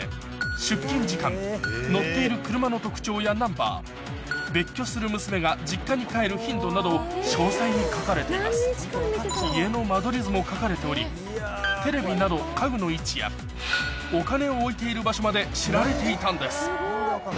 出勤時間乗っている車の特徴やナンバー別居する娘が実家に帰る頻度など家の間取り図も描かれておりテレビなど家具の位置やお金を置いている場所まで知られていたんです